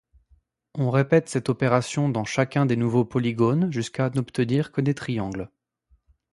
On répète cette opération dans chacun des nouveaux polygones jusqu'à n'obtenir que des triangles.